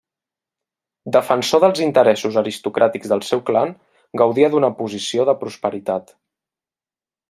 Defensor dels interessos aristocràtics del seu clan, gaudia d'una posició de prosperitat.